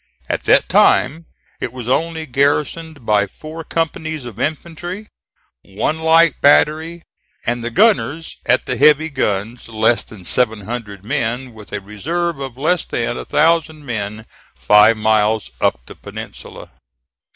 At that time it was only garrisoned by four companies of infantry, one light battery and the gunners at the heavy guns less than seven hundred men with a reserve of less than a thousand men five miles up the peninsula.